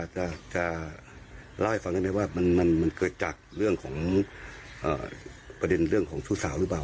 จะเล่าให้ฟังได้ไหมว่ามันเกิดจากเรื่องของประเด็นเรื่องของชู้สาวหรือเปล่า